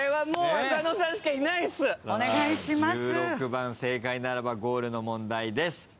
１６番正解ならばゴールの問題。